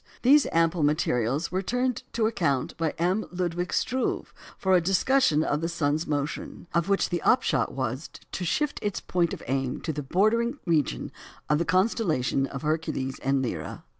These ample materials were turned to account by M. Ludwig Struve for a discussion of the sun's motion, of which the upshot was to shift its point of aim to the bordering region of the constellations Hercules and Lyra.